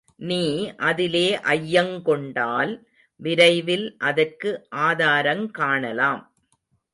நீ அதிலே ஐயங்கொண்டால், விரைவில் அதற்கு ஆதாரங்காணலாம்.